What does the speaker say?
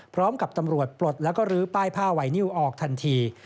พร้อมกับตำรวจปลดแล้วก็ลื้อป้ายผ้าไวนิวออกทันที